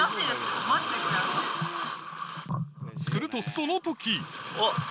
するとその時あっ。